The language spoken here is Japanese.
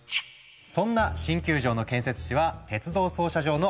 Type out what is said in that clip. そんな新球場の建設地は鉄道操車場の跡地。